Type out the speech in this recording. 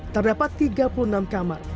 terdapat tiga puluh enam kamar